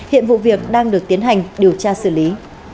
hiện vụ việc đang được tiến hành điều tra xử lý